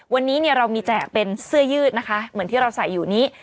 วันนี้เรามีแจกเป็นเสื้อยืดนะคะเหมือนที่เราใส่อยู่นี้